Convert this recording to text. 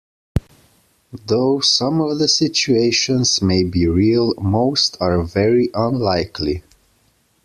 Though some of the situations may be real, most are very unlikely.